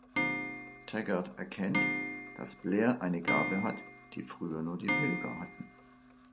Taggart erkennt, dass Blair eine Gabe hat, die früher nur die Pilger hatten.